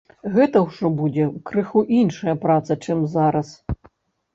Гэта ўжо будзе крыху іншая праца, чым зараз.